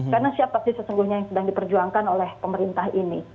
karena siapa sih sesungguhnya yang sedang diperjuangkan oleh pemerintah ini